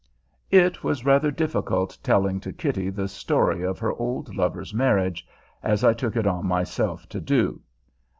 It was rather difficult telling to Kitty the story of her old lover's marriage, as I took it on myself to do.